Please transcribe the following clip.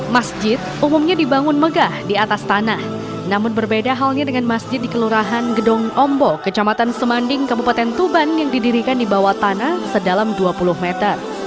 masjid umumnya dibangun megah di atas tanah namun berbeda halnya dengan masjid di kelurahan gedong ombok kecamatan semanding kabupaten tuban yang didirikan di bawah tanah sedalam dua puluh meter